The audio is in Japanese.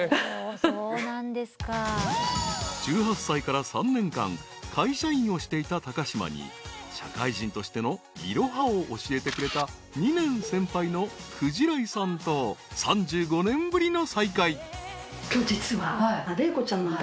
［１８歳から３年間会社員をしていた高島に社会人としてのいろはを教えてくれた２年先輩の鯨井さんと３５年ぶりの再会］えっ！？